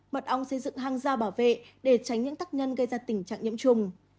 mật ong xây dựng hang giao bảo vệ để tránh những tác nhân gây ra tình trạng nhiễm trùng